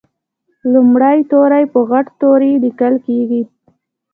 لومړی توری په غټ توري لیکل کیږي.